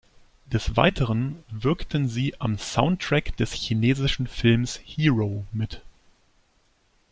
Des Weiteren wirkten sie am Soundtrack des chinesischen Films "Hero" mit.